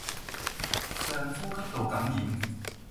上呼吸道感染